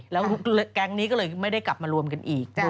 แล้วแก๊งนี้ก็เลยไม่ได้กลับมารวมกันอีก